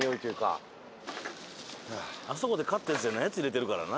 あそこで買ったやつじゃないやつ入れてるからな。